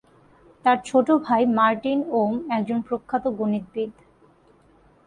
তার ছোট ভাই মার্টিন ওম একজন প্রখ্যাত গণিতবিদ।